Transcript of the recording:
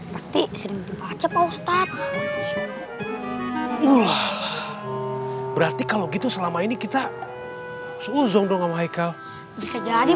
pasti sering baca pak ustadz berarti kalau gitu selama ini kita seuzon dong amai kau bisa jadi